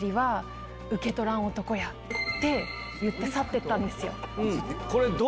言って去って行ったんですよ。